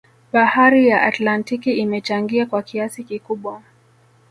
Bahari ya Atlantiki imechangia kwa kiasi kikubwa